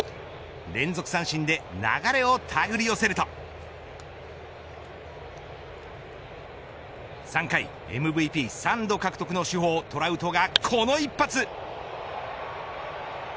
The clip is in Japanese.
連続三振で流れをたぐり寄せると３回、ＭＶＰ３度獲得の主砲トラウトがこの一発。